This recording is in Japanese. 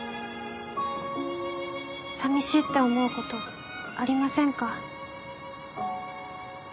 寂しいって思うことありませんか？